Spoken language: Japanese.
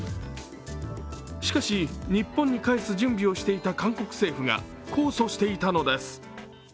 しかし日本に返す準備をしていた韓国政府が控訴していたのです。